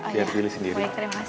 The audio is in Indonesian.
biar pilih sendiri